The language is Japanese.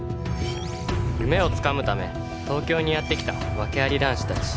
夢をつかむため東京にやって来たワケあり男子たち